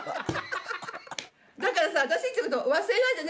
だからさ私んちのこと忘れないでね。